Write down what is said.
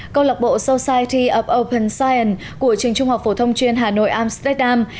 câu lạc bộ society of open science của trường trung học phổ thông chuyên hà nội amsterdam